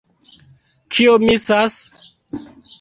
Kio misas?